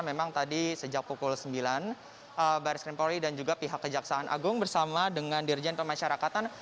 memang tadi sejak pukul sembilan baris krim polri dan juga pihak kejaksaan agung bersama dengan dirjen pemasyarakatan